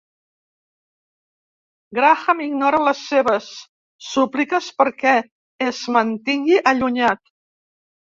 Graham ignora les seves súpliques perquè es mantingui allunyat.